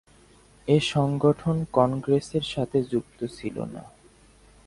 এ সংগঠন কংগ্রেসের সাথে যুক্ত ছিল না।